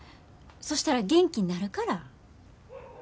そしたら元気になるから。